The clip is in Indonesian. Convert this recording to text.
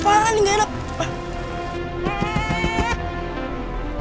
parah nih gak enak